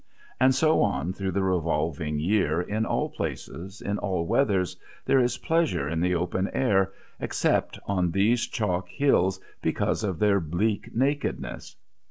And so on through the revolving year, in all places in all weathers, there is pleasure in the open air, except on these chalk hills because of their bleak nakedness.